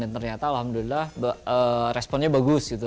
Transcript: dan ternyata alhamdulillah responnya bagus gitu